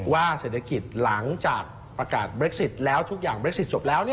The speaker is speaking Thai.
ว่าเศรษฐกิจหลังจากประกาศเบรกซิต